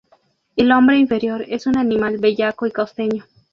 El hombre inferior es un animal bellaco y costeño.